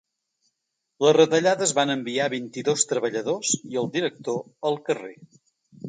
Les retallades van enviar vint-i-dos treballadors i el director al carrer.